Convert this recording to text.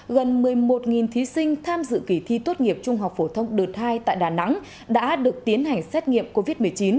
gần một mươi một thí sinh tham dự kỳ thi tốt nghiệp trung học phổ thông đợt hai tại đà nẵng đã được tiến hành xét nghiệm covid một mươi chín